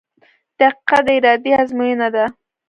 • دقیقه د ارادې ازموینه ده.